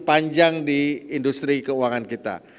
panjang di industri keuangan kita